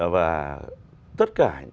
và tất cả